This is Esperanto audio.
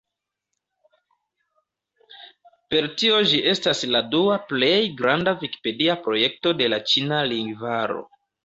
Per tio ĝi estas la dua plej granda vikipedia projekto de la ĉina lingvaro.